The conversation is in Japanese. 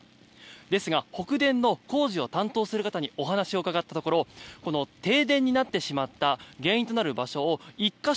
ですが北電の工事を担当する方にお話を伺ったところ停電となってしまった原因となる場所を１か所